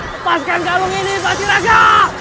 lepaskan kalung ini bati raka